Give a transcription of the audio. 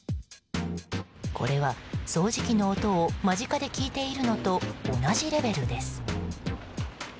これは掃除機の音を間近で聞いているのと同じレベルです。